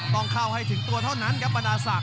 ต้องเข้าให้ถึงตัวเท่านั้นครับบรรดาศักด